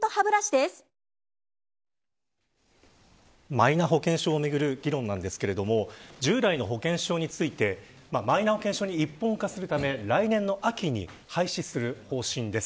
マイナ保険証をめぐる議論ですが従来の保険証についてマイナ保険証に一本化するため来年の秋に廃止する方針です。